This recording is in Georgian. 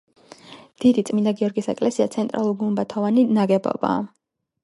დიდი, წმინდა გრიგორის ეკლესია ცენტრალურგუმბათოვანი ნაგებობაა.